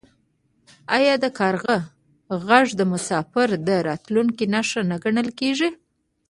آیا د کارغه غږ د مسافر د راتلو نښه نه ګڼل کیږي؟